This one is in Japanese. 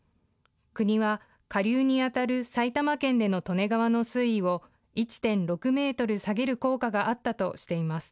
国は下流にあたる埼玉県での利根川の水位を１．６メートル下げる効果があったとしています。